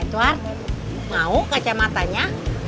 edward mau kacamatanya